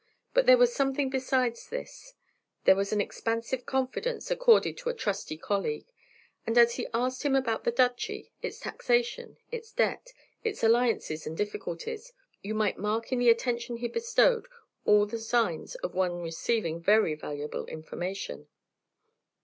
But there was something besides this: there was the expansive confidence accorded to a trusty colleague; and as he asked him about the Duchy, its taxation, its debt, its alliances and difficulties, you might mark in the attention he bestowed all the signs of one receiving very valuable information.